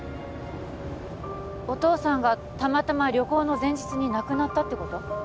お父さんがたまたま旅行の前日に亡くなったってこと？